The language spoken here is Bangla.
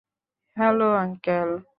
Hello, uncle.